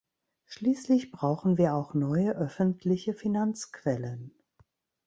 Schließlich brauchen wir auch neue öffentliche Finanzquellen.